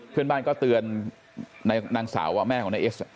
เพื่อนบ้านก็เตือนนางสาวแม่ของนายเอส